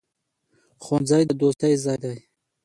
ښوونځی د دوستۍ ځای دی.